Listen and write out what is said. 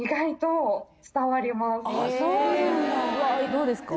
どうですか？